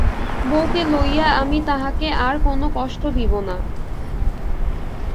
বউকে লইয়া আমি তাহাকে আর কোনো কষ্ট দিব না।